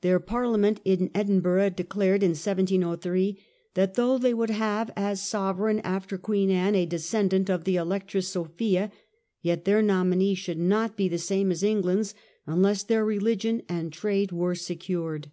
Their parliament in Edinburgh de Security, clared in 1703 that, though they would have as sove reign after Queen Anne a descendant of the Electress Sophia, yet their nominee should not be the same as England's unless their religion and trade were secured.